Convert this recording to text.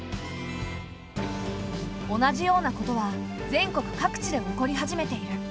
同じようなことは全国各地で起こり始めている。